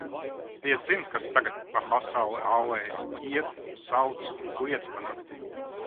Diezin, kas tagad pa pasauli ālējas: iet, sauc un kliedz pa naktīm.